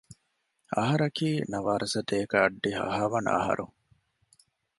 އަހަރަކީ ނަވާރަސަތޭކަ އަށްޑިހަ ހަވަނަ އަހަރު